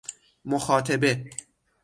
مخاطبه